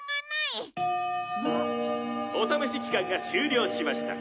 「お試し期間が終了しました」